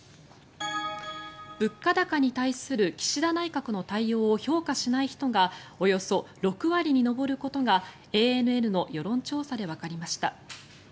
物価高に対する岸田内閣の対応を評価しない人がおよそ６割に上ることがＡＮＮの世論調査でわかりました。